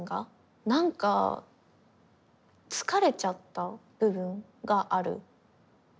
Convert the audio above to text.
なんか疲れちゃった部分があるのかな。